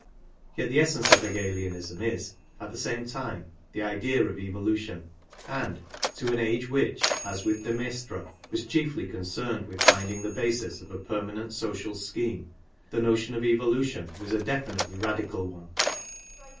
Yet the essence of Hegelianism is, at the same time, the idea of evolution, and, to an age which, as with de Maistre, was chiefly concerned with finding the basis of a permanent social scheme the notion of evolution was a definitely radical one.